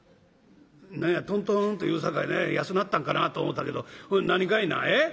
「何やとんとんと言うさかい安なったんかなと思うたけど何かいなえ？